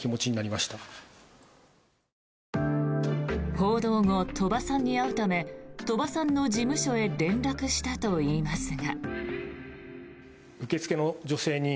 報道後、鳥羽さんに会うため鳥羽さんの事務所へ連絡したといいますが。